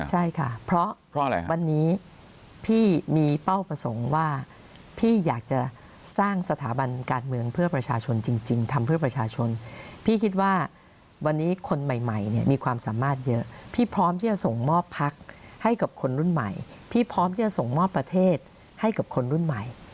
ใช่ค่ะเพราะอะไรครับวันนี้พี่มีเป้าประสงค์ว่าพี่อยากจะสร้างสถาบันการเมืองเพื่อประชาชนจริงทำเพื่อประชาชนพี่คิดว่าวันนี้คนใหม่เนี่ยมีความสามารถเยอะพี่พร้อมที่จะส่งมอบพักให้กับคนรุ่นใหม่พี่พร้อมที่จะส่งมอบประเทศให้กับคนรุ่นใหม่